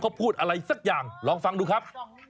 เขาพูดอะไรสักอย่างลองฟังดูครับ